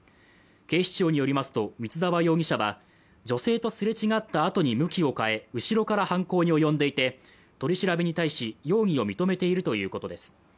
警視庁によりますと光澤容疑者は女性とすれ違ったあとに向きを変え後ろから犯行に及んでいて取り調べに対し容疑を認めているということです